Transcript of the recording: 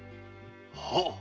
はっ。